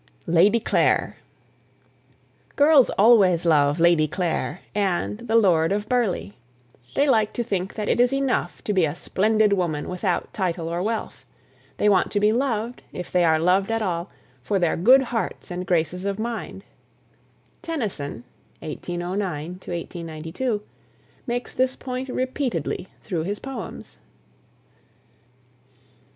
LADY CLARE. Girls always love "Lady Clare" and "The Lord of Burleigh." They like to think that it is enough to be a splendid woman without title or wealth. They want to be loved, if they are loved at all, for their good hearts and graces of mind. Tennyson (1809 92) makes this point repeatedly through his poems.